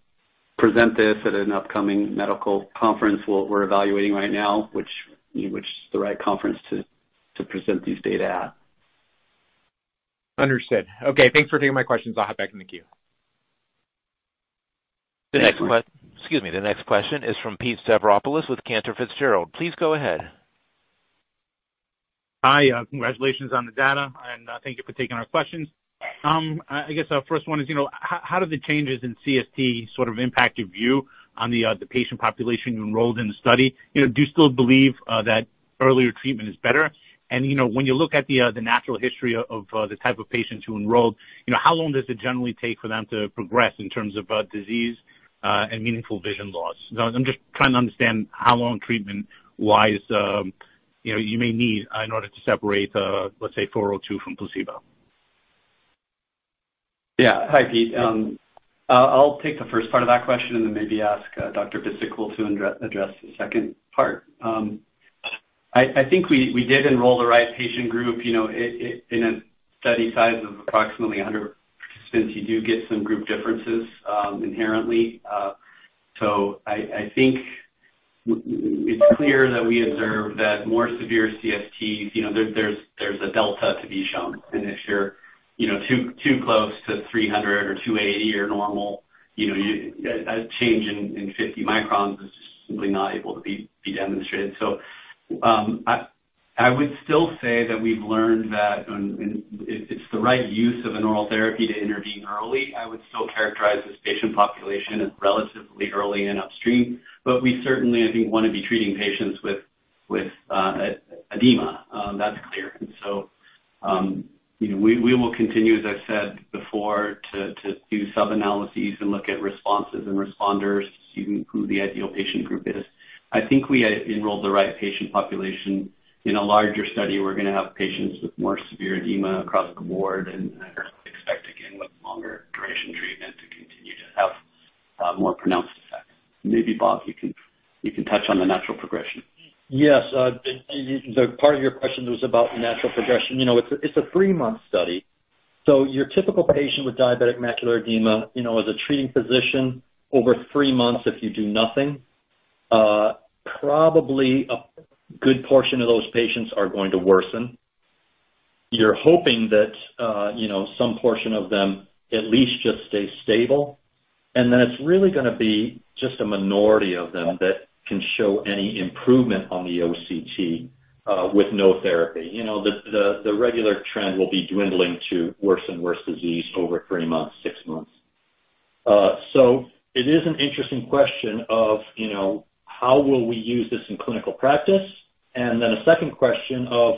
present this at an upcoming medical conference. We're evaluating right now, which is the right conference to present these data at. Understood. Okay, thanks for taking my questions. I'll hop back in the queue. The next question is from Pete Stavropoulos with Cantor Fitzgerald. Please go ahead. Hi, congratulations on the data, and thank you for taking our questions. I guess our first one is, you know, how do the changes in CST sort of impact your view on the patient population you enrolled in the study? You know, do you still believe that earlier treatment is better? And, you know, when you look at the natural history of the type of patients you enrolled, you know, how long does it generally take for them to progress in terms of disease and meaningful vision loss? I'm just trying to understand how long treatment-wise, you know, you may need in order to separate, let's say, 402 from placebo. Yeah. Hi, Pete. I'll take the first part of that question and then maybe ask Dr. Bhisitkul to address the second part. I think we did enroll the right patient group. You know, in a study size of approximately 100 participants, you do get some group differences inherently. So I think it's clear that we observe that more severe CSTs, you know, there's a delta to be shown, and if you're, you know, too close to 300 or 280 or normal, you know, a change in 50 microns is simply not able to be demonstrated. So I would still say that we've learned that when, and it's the right use of an oral therapy to intervene early. I would still characterize this patient population as relatively early and upstream, but we certainly, I think, want to be treating patients with edema. That's clear. And so, you know, we will continue, as I said before, to do sub-analyses and look at responses and responders, seeing who the ideal patient group is. I think we had enrolled the right patient population. In a larger study, we're gonna have patients with more severe edema across the board, and I expect, again, with longer duration treatment to continue to have more pronounced effects. Maybe, Bob, you can touch on the natural progression. Yes. The part of your question was about the natural progression. You know, it's a 3-month study, so your typical patient with diabetic macular edema, you know, as a treating physician, over 3 months, if you do nothing, probably a good portion of those patients are going to worsen. You're hoping that, you know, some portion of them at least just stay stable, and then it's really gonna be just a minority of them that can show any improvement on the OCT with no therapy. You know, the regular trend will be dwindling to worse and worse disease over 3 months, 6 months. So it is an interesting question of, you know, how will we use this in clinical practice? And then a second question of,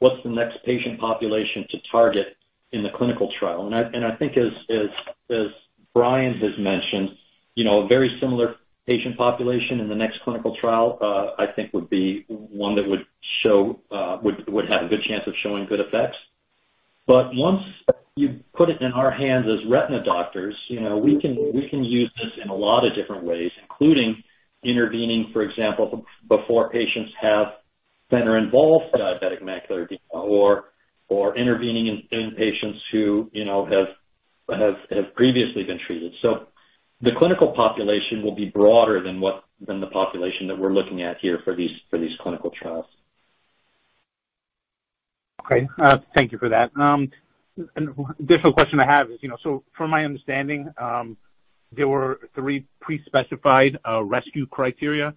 what's the next patient population to target in the clinical trial? I think as Brian has mentioned, you know, a very similar patient population in the next clinical trial, I think would be one that would have a good chance of showing good effects. But once you put it in our hands as retina doctors, you know, we can use this in a lot of different ways, including intervening, for example, before patients have center-involved diabetic macular edema, or intervening in patients who, you know, have previously been treated. So the clinical population will be broader than the population that we're looking at here for these clinical trials. Okay. Thank you for that. And additional question I have is, you know, so from my understanding, there were three pre-specified rescue criteria.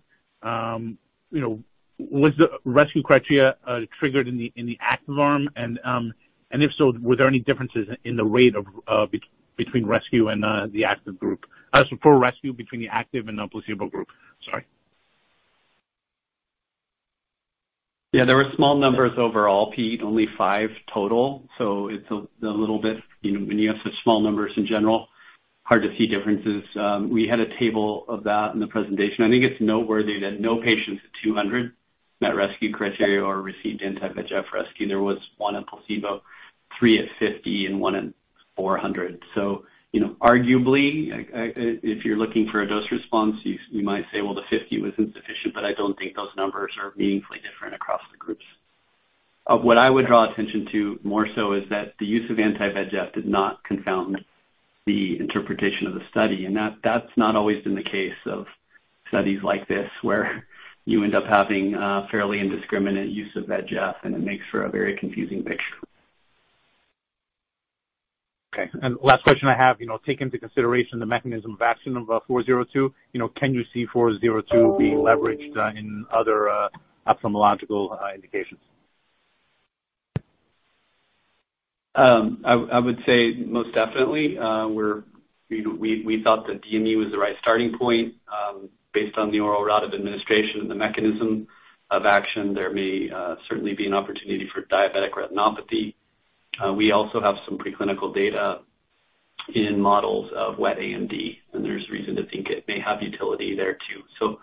You know, was the rescue criteria triggered in the active arm? And if so, were there any differences in the rate of between rescue and the active group? As for rescue between the active and non-placebo group. Sorry. Yeah, there were small numbers overall, Pete, only 5 total, so it's a little bit, you know, when you have such small numbers in general, hard to see differences. We had a table of that in the presentation. I think it's noteworthy that no patients at 200 met rescue criteria or received anti-VEGF rescue. There was 1 at placebo, 3 at 50, and 1 at 400. So, you know, arguably, I, if you're looking for a dose response, you might say, "Well, the 50 was insufficient," but I don't think those numbers are meaningfully different across the groups. What I would draw attention to more so is that the use of anti-VEGF did not confound the interpretation of the study, and that that's not always been the case of studies like this, where you end up having a fairly indiscriminate use of VEGF, and it makes for a very confusing picture. Okay. Last question I have, you know, take into consideration the mechanism of action of RZ402. You know, can you see RZ402 being leveraged in other ophthalmological indications? I would say most definitely. We're, you know, we thought that DME was the right starting point. Based on the oral route of administration and the mechanism of action, there may certainly be an opportunity for diabetic retinopathy. We also have some preclinical data in models of wet AMD, and there's reason to think it may have utility there, too. So,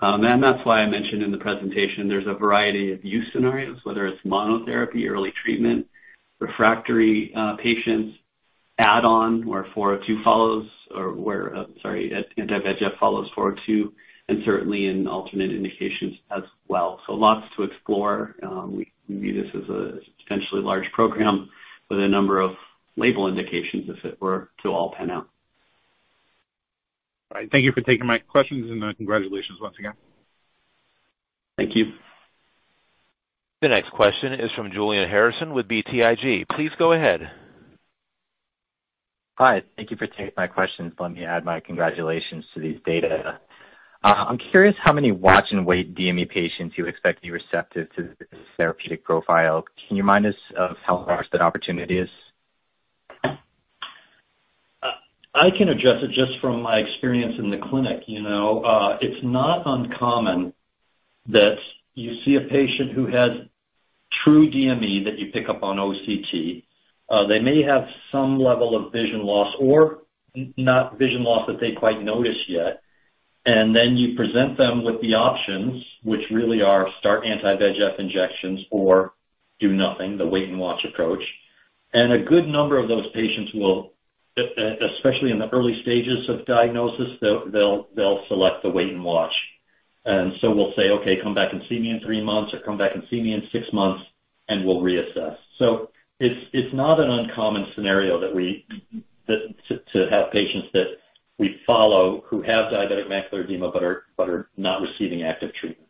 and that's why I mentioned in the presentation, there's a variety of use scenarios, whether it's monotherapy, early treatment, refractory patients, add-on, where four-oh-two follows or where, sorry, anti-VEGF follows four-oh-two, and certainly in alternate indications as well. So lots to explore. We view this as a potentially large program with a number of label indications, if it were to all pan out. All right. Thank you for taking my questions, and, congratulations once again. Thank you. The next question is from Julian Harrison with BTIG. Please go ahead. Hi, thank you for taking my questions. Let me add my congratulations to these data. I'm curious how many watch and wait DME patients you expect to be receptive to this therapeutic profile. Can you remind us of how large that opportunity is? I can address it just from my experience in the clinic. You know, it's not uncommon that you see a patient who has true DME that you pick up on OCT. They may have some level of vision loss or not vision loss that they quite notice yet, and then you present them with the options, which really are start anti-VEGF injections or do nothing, the wait and watch approach. And a good number of those patients will, especially in the early stages of diagnosis, they'll select the wait and watch. And so we'll say, "Okay, come back and see me in three months, or come back and see me in six months," and we'll reassess. So it's not an uncommon scenario that we have patients that we follow who have diabetic macular edema but are not receiving active treatment.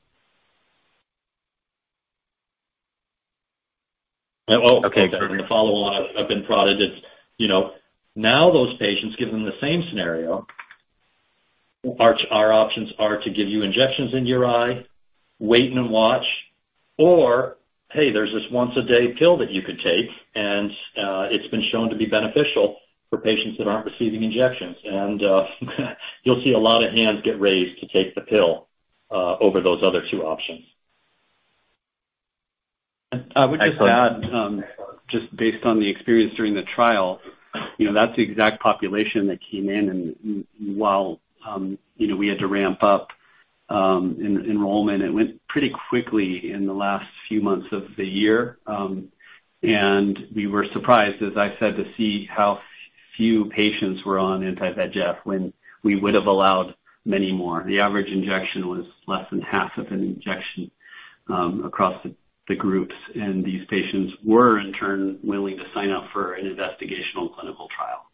Oh, okay, to follow on, I've been prodded. It's, you know, now those patients, given the same scenario, our options are to give you injections in your eye, wait and watch, or, "Hey, there's this once a day pill that you could take, and it's been shown to be beneficial for patients that aren't receiving injections." And you'll see a lot of hands get raised to take the pill over those other two options. I would just add, just based on the experience during the trial, you know, that's the exact population that came in. And while, you know, we had to ramp up, enrollment, it went pretty quickly in the last few months of the year. And we were surprised, as I said, to see how few patients were on anti-VEGF when we would have allowed many more. The average injection was less than half of an injection, across the groups. And these patients were in turn, willing to sign up for an investigational clinical trial.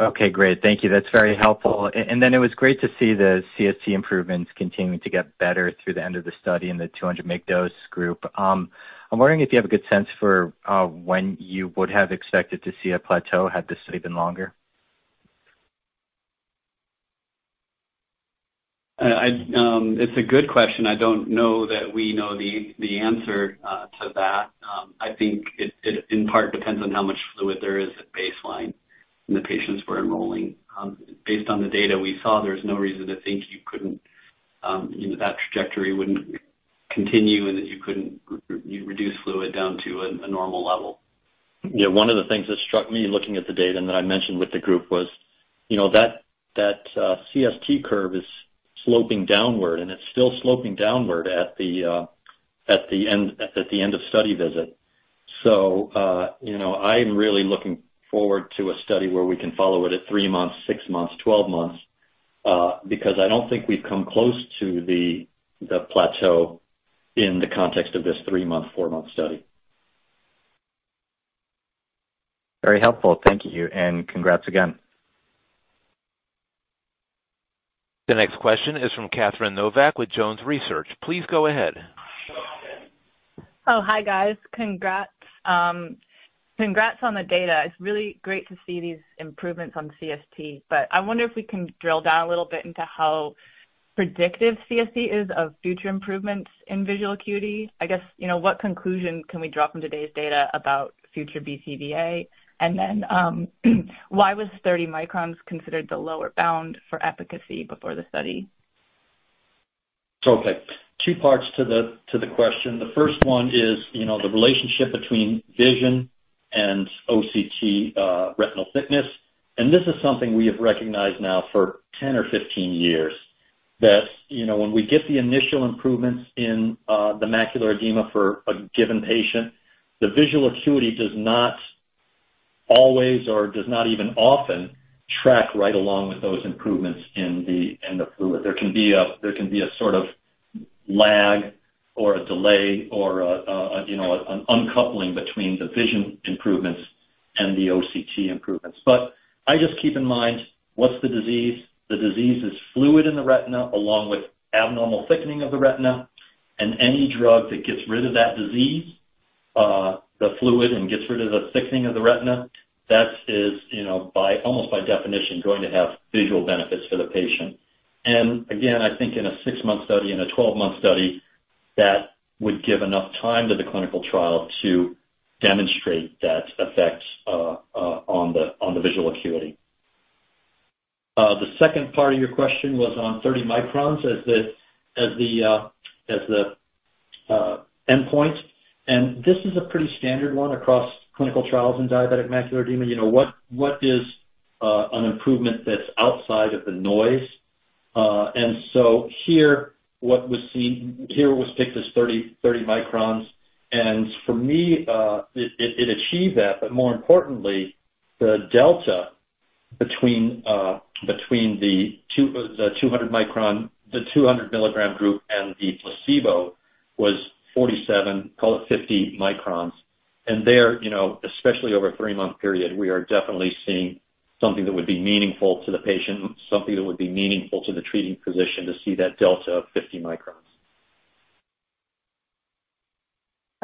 Okay, great. Thank you. That's very helpful. And then it was great to see the CST improvements continuing to get better through the end of the study in the 200 mg dose group. I'm wondering if you have a good sense for, when you would have expected to see a plateau had the study been longer? It's a good question. I don't know that we know the answer to that. I think it in part depends on how much fluid there is at baseline, and the patients we're enrolling. Based on the data we saw, there's no reason to think you couldn't, you know, that trajectory wouldn't continue and that you couldn't reduce fluid down to a normal level. Yeah, one of the things that struck me looking at the data, and that I mentioned with the group was, you know, that CST curve is sloping downward, and it's still sloping downward at the end, at the end of study visit. So, you know, I'm really looking forward to a study where we can follow it at 3 months, 6 months, 12 months, because I don't think we've come close to the plateau in the context of this 3-month, 4-month study. Very helpful. Thank you, and congrats again. The next question is from Catherine Novack with Jones Research. Please go ahead. Oh, hi, guys. Congrats, congrats on the data. It's really great to see these improvements on CST, but I wonder if we can drill down a little bit into how predictive CST is of future improvements in visual acuity. I guess, you know, what conclusion can we draw from today's data about future BCVA? And then, why was 30 microns considered the lower bound for efficacy before the study? Okay, two parts to the question. The first one is, you know, the relationship between vision and OCT, retinal thickness. And this is something we have recognized now for 10 or 15 years, that, you know, when we get the initial improvements in the macular edema for a given patient, the visual acuity does not always or does not even often track right along with those improvements in the fluid. There can be a, there can be a sort of lag or a delay or a, you know, an uncoupling between the vision improvements and the OCT improvements. But I just keep in mind, what's the disease? The disease is fluid in the retina, along with abnormal thickening of the retina. Any drug that gets rid of that disease, the fluid, and gets rid of the thickening of the retina, that is, you know, by almost by definition, going to have visual benefits for the patient. And again, I think in a 6-month study, in a 12-month study, that would give enough time to the clinical trial to demonstrate that effect, on the visual acuity. The second part of your question was on 30 microns as the endpoint, and this is a pretty standard one across clinical trials in diabetic macular edema. You know, what is an improvement that's outside of the noise? And so here, what was seen here was picked as 30 microns. And for me, it achieved that. But more importantly, the delta between between the two, the 200 milligram group and the placebo was 47, call it 50 microns. And there, you know, especially over a 3-month period, we are definitely seeing something that would be meaningful to the patient, something that would be meaningful to the treating physician to see that delta of 50 microns.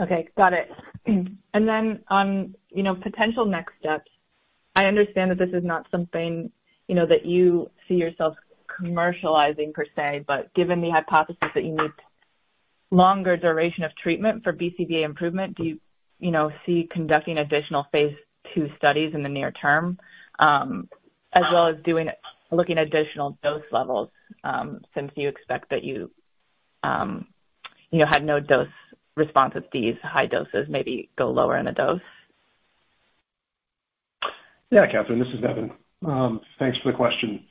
Okay, got it. And then on, you know, potential next steps, I understand that this is not something, you know, that you see yourself commercializing per se, but given the hypothesis that you need longer duration of treatment for BCVA improvement, do you, you know, see conducting additional phase II studies in the near term, as well as looking at additional dose levels, since you expect that you, you know, had no dose response at these high doses, maybe go lower in a dose? Yeah, Catherine, this is Nevan. Thanks for the question.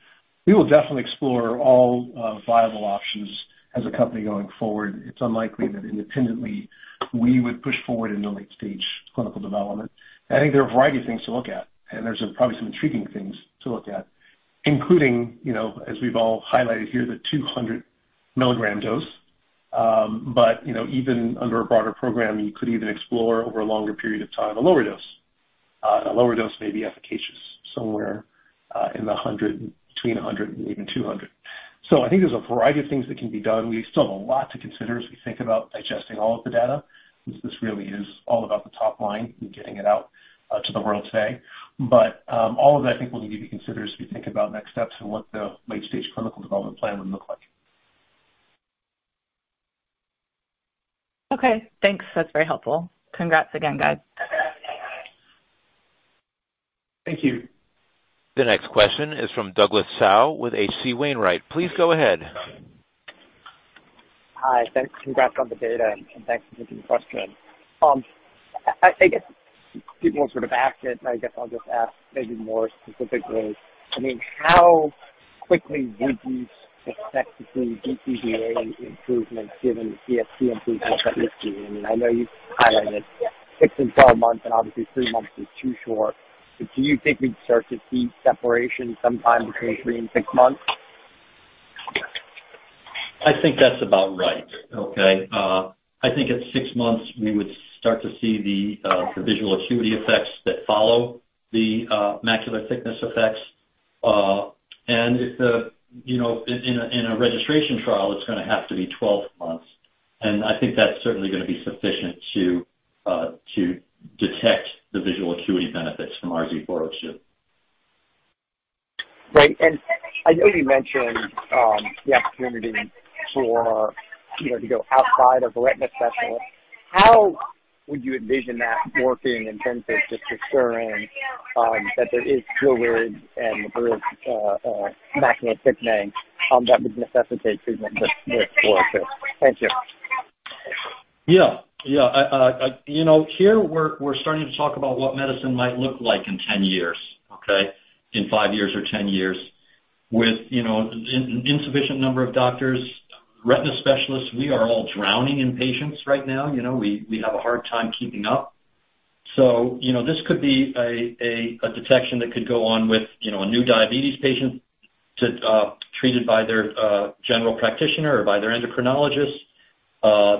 We will definitely explore all viable options as a company going forward. It's unlikely that independently we would push forward in the late-stage clinical development. I think there are a variety of things to look at, and there's probably some intriguing things to look at, including, you know, as we've all highlighted here, the 200 milligram dose. But, you know, even under a broader program, you could even explore, over a longer period of time, a lower dose.... A lower dose may be efficacious somewhere in the hundred, between 100 and even 200. So I think there's a variety of things that can be done. We still have a lot to consider as we think about digesting all of the data, because this really is all about the top line and getting it out to the world today. But all of that, I think, will need to be considered as we think about next steps and what the late-stage clinical development plan would look like. Okay, thanks. That's very helpful. Congrats again, guys. Thank you. The next question is from Douglas Tsao with H.C. Wainwright. Please go ahead. Hi, thanks. Congrats on the data, and thanks for taking the question. I guess people sort of asked it, I guess I'll just ask maybe more specifically. I mean, how quickly would you expect to see BCVA improvements given the CST improvements that you're seeing? I mean, I know you've highlighted 6 and 12 months, and obviously 3 months is too short, but do you think we'd start to see separation sometime between 3 and 6 months? I think that's about right, okay? I think at 6 months, we would start to see the visual acuity effects that follow the macular thickness effects. And if the, you know, in a registration trial, it's gonna have to be 12 months, and I think that's certainly gonna be sufficient to detect the visual acuity benefits from RZ402. Great. I know you mentioned the opportunity for, you know, to go outside of retina specialists. How would you envision that working in terms of just assuring that there is fluid and there is macular thickening that would necessitate treatment with RZ402? Thank you. Yeah. Yeah. You know, here, we're, we're starting to talk about what medicine might look like in 10 years, okay? In five years or 10 years, with, you know, insufficient number of doctors. Retina specialists, we are all drowning in patients right now, you know, we, we have a hard time keeping up. So, you know, this could be a detection that could go on with, you know, a new diabetes patient to treated by their general practitioner or by their endocrinologist.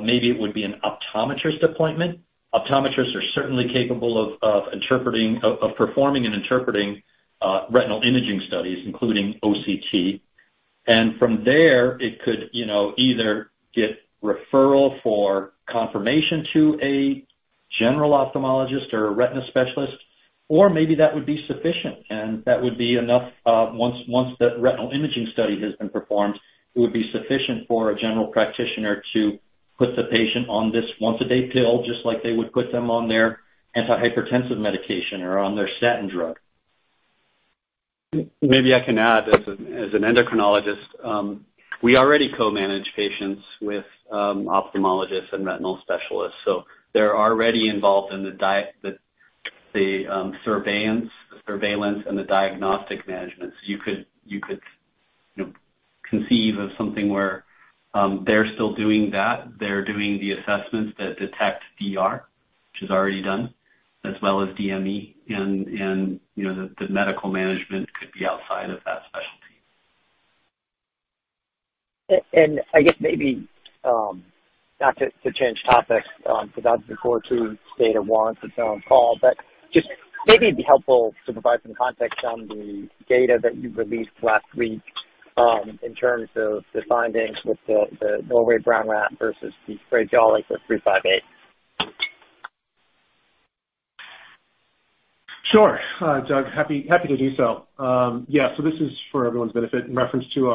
Maybe it would be an optometrist appointment. Optometrists are certainly capable of interpreting, of performing and interpreting retinal imaging studies, including OCT. From there, it could, you know, either get referral for confirmation to a general ophthalmologist or a retina specialist, or maybe that would be sufficient, and that would be enough, once, once that retinal imaging study has been performed, it would be sufficient for a general practitioner to put the patient on this once-a-day pill, just like they would put them on their antihypertensive medication or on their statin drug. Maybe I can add, as an endocrinologist, we already co-manage patients with ophthalmologists and retinal specialists, so they're already involved in the diet, the surveillance and the diagnostic management. So you could, you could, you know, conceive of something where they're still doing that, they're doing the assessments that detect DR, which is already done, as well as DME, and you know, the medical management could be outside of that specialty. I guess maybe not to change topics, because that's the core data wants on this call, but just maybe it'd be helpful to provide some context on the data that you released last week, in terms of the findings with the Brown Norway rat versus the Sprague Dawley for RZ358. Sure. Doug, happy, happy to do so. Yeah, so this is for everyone's benefit in reference to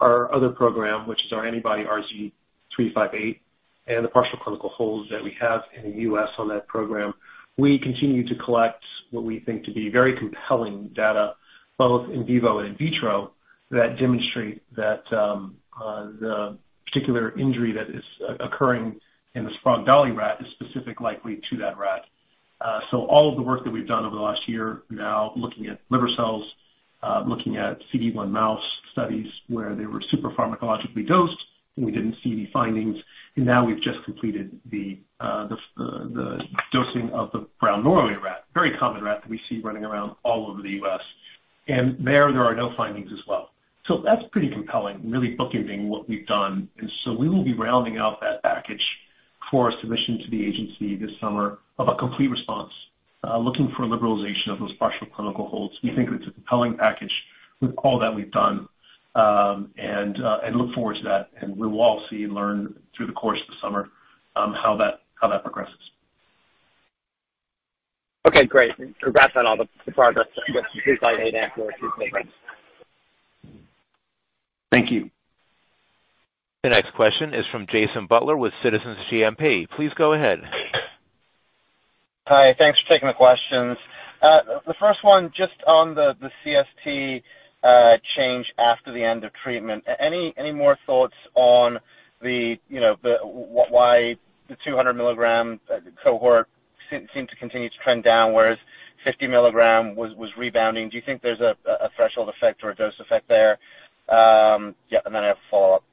our other program, which is our antibody RZ358 and the partial clinical holds that we have in the U.S. on that program. We continue to collect what we think to be very compelling data, both in vivo and in vitro, that demonstrate that the particular injury that is occurring in the Sprague Dawley rat is specific likely to that rat. So all of the work that we've done over the last year now, looking at liver cells, looking at CD-1 mouse studies where they were super pharmacologically dosed, and we didn't see any findings. And now we've just completed the dosing of the Brown Norway rat, very common rat that we see running around all over the US, and there are no findings as well. So that's pretty compelling, really bookending what we've done. And so we will be rounding out that package for submission to the agency this summer of a complete response, looking for liberalization of those partial clinical holds. We think it's a compelling package with all that we've done, and look forward to that, and we will all see and learn through the course of the summer, how that progresses. Okay, great. Congrats on all the progress with 358 and 402. Thank you. The next question is from Jason Butler with Citizens JMP. Please go ahead. Hi, thanks for taking the questions. The first one, just on the CST change after the end of treatment. Any more thoughts on the, you know, why the 200 milligram cohort seem to continue to trend down, whereas 50 milligram was rebounding? Do you think there's a threshold effect or a dose effect there? Yeah, and then I have a follow-up.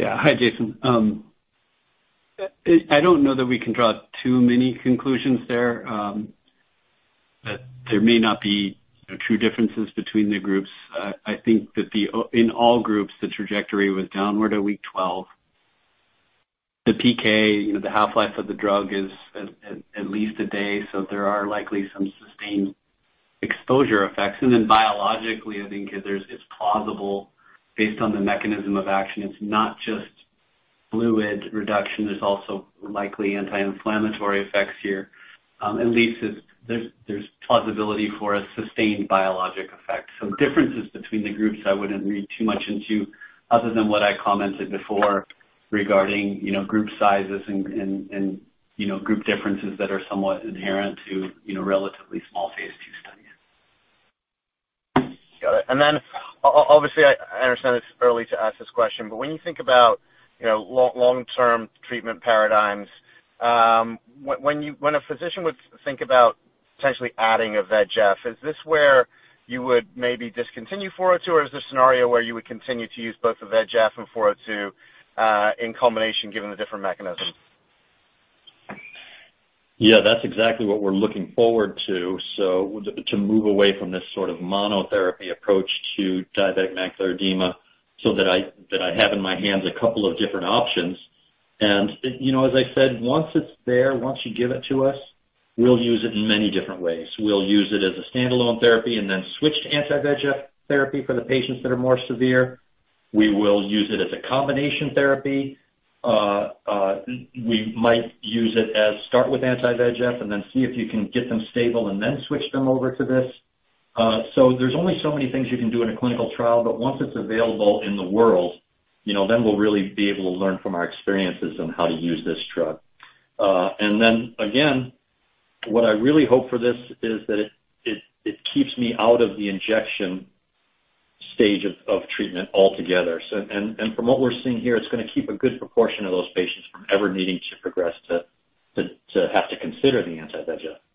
Yeah. Hi, Jason. I don't know that we can draw too many conclusions there. That there may not be, you know, true differences between the groups. I think that in all groups, the trajectory was downward at week 12. The PK, you know, the half-life of the drug is at least a day, so there are likely some sustained exposure effects. And then biologically, I think it's plausible based on the mechanism of action, it's not just fluid reduction, there's also likely anti-inflammatory effects here. At least there's plausibility for a sustained biologic effect. So differences between the groups, I wouldn't read too much into, other than what I commented before regarding, you know, group sizes and group differences that are somewhat inherent to, you know, relatively small phase II studies. Got it. And then obviously, I understand it's early to ask this question, but when you think about, you know, long-term treatment paradigms, when a physician would think about potentially adding anti-VEGF, is this where you would maybe discontinue 402, or is this a scenario where you would continue to use both anti-VEGF and 402 in combination, given the different mechanisms? Yeah, that's exactly what we're looking forward to. So to move away from this sort of monotherapy approach to diabetic macular edema, so that I have in my hands a couple of different options. And, you know, as I said, once it's there, once you give it to us, we'll use it in many different ways. We'll use it as a standalone therapy and then switch to anti-VEGF therapy for the patients that are more severe. We will use it as a combination therapy. We might use it as start with anti-VEGF and then see if you can get them stable and then switch them over to this. So there's only so many things you can do in a clinical trial, but once it's available in the world, you know, then we'll really be able to learn from our experiences on how to use this drug. And then again, what I really hope for this is that it keeps me out of the injection stage of treatment altogether. So, from what we're seeing here, it's gonna keep a good proportion of those patients from ever needing to progress to have to consider the anti-VEGF.